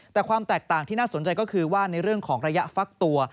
แต่ความแตกต่างที่น่าสนใจก็คือว่าในเรื่องของระยะฟักตัว